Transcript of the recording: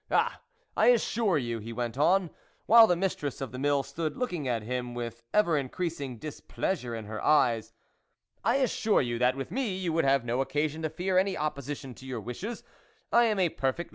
Ah ! I assure you " he went on, while the mistress of the Mill stood look ing at him with ever increasing dis pleasure in her eyes, " I assure you that with me you would have no occasion to fear any opposition to your wishes: I am a perfect